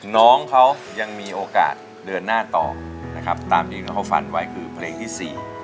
น้องเขายังมีโอกาสเดินหน้าต่อนะครับตามที่เขาฝันไว้คือเพลงที่๔